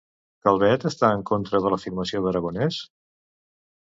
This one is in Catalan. Calvet està en contra de l'afirmació d'Aragonès?